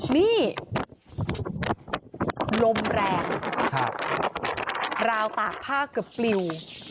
นี่ลมแรงราวตากผ้าเกือบปลิว